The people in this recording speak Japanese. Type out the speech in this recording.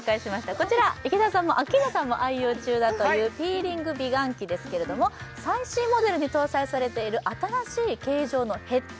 こちら池田さんもアッキーナさんも愛用中だというピーリング美顔器ですけれども最新モデルに搭載されている新しい形状のヘッド